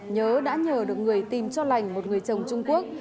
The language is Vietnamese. nhớ đã nhờ được người tìm cho lành một người chồng trung quốc